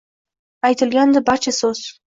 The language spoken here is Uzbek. Aytilgandi barcha so’z.